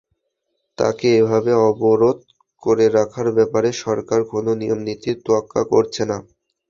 তাঁকে এভাবে অবরোধ করে রাখার ব্যাপারে সরকার কোনো নিয়ম-নীতির তোয়াক্কা করছে না।